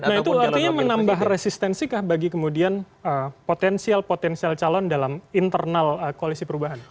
nah itu artinya menambah resistensi kah bagi kemudian potensial potensial calon dalam internal koalisi perubahan